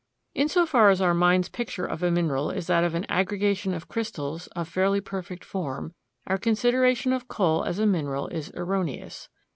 In so far as our mind's picture of a mineral is that of an aggregation of crystals of fairly perfect form our consideration of coal as a mineral is erroneous.